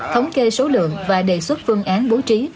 thống kê số lượng và đề xuất phương án bố trí